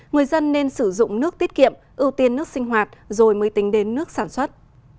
người dân nên sử dụng nước tiết kiệm ưu tiên nước sinh hoạt rồi mới tính đến nước sản xuất